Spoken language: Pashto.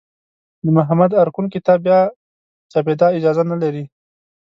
د محمد ارکون کتاب بیا چاپېدا اجازه نه لري.